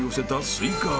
スイカ頭。